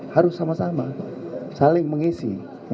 harus sama sama saling mengisi